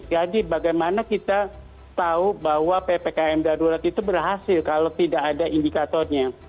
jadi bagaimana kita tahu bahwa ppkm darurat itu berhasil kalau tidak ada indikatornya